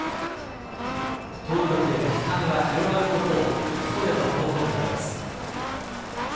当局への批判が広がることを恐れたものと見られます。